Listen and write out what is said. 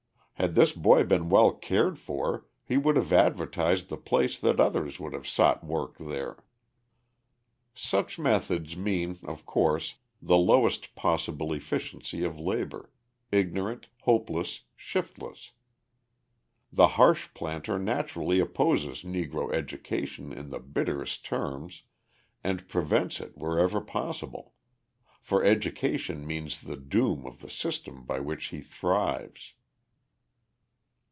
Had this boy been well cared for, he would have advertised the place that others would have sought work there. Such methods mean, of course, the lowest possible efficiency of labour ignorant, hopeless, shiftless. The harsh planter naturally opposes Negro education in the bitterest terms and prevents it wherever possible; for education means the doom of the system by which he thrives.